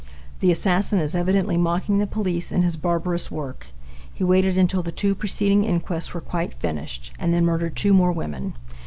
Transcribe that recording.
The assassin is evidently mocking the police in his barbarous work. He waited until the two preceding inquests were quite finished, and then murdered two more women.